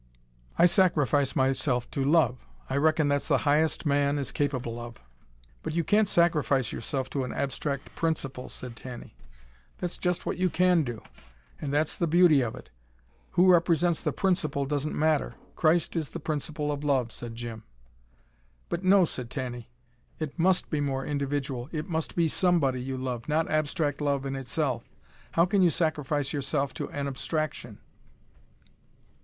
I sacrifice myself to love. I reckon that's the highest man is capable of." "But you can't sacrifice yourself to an abstract principle," said Tanny. "That's just what you can do. And that's the beauty of it. Who represents the principle doesn't matter. Christ is the principle of love," said Jim. "But no!" said Tanny. "It MUST be more individual. It must be SOMEBODY you love, not abstract love in itself. How can you sacrifice yourself to an abstraction."